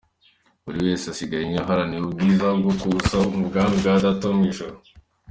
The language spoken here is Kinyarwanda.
Buri wese asiganwe aharanire ubwiza bwo kuzaba mu bwami bwa Data wo mu ijuru.